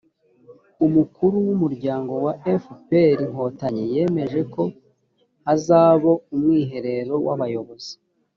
umukuru w’umuryango wa fpr inkotanyi yemeje ko hazabo umwiherero wabayobozi